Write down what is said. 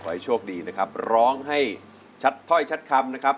ให้โชคดีนะครับร้องให้ชัดถ้อยชัดคำนะครับ